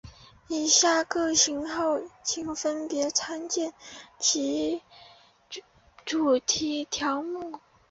以下各型号请分别参见其主题条目。